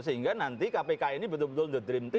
sehingga nanti kpk ini betul betul the dream team